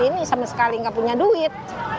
ini sama sekali nggak punya duit